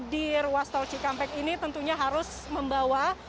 di ruas tol cikampek ini tentunya harus membawa